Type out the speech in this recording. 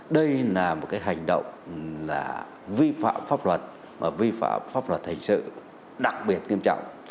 đây là một cái hành động là vi phạm pháp luật và vi phạm pháp luật thành sự đặc biệt nghiêm trọng